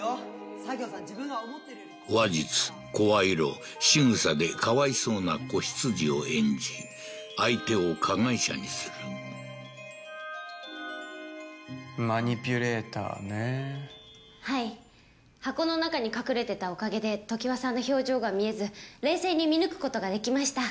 佐京さん自分が話術声色しぐさでかわいそうな子羊を演じ相手を加害者にするマニピュレーターねはい箱の中に隠れてたおかげで常盤さんの表情が見えず冷静に見抜くことができました